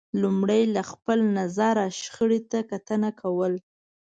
لمړی له خپل نظره شخړې ته کتنه کول